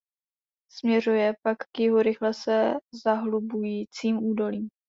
Směřuje pak k jihu rychle se zahlubujícím údolím.